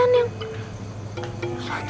tahanin terus handling